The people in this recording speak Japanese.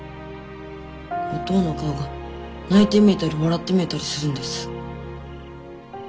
おとうの顔が泣いて見えたり笑って見えたりするんです。